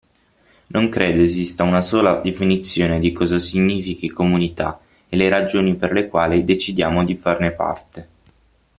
Non credo esista una sola definizione di cosa significhi comunità e le ragioni per le quali decidiamo di farne parte.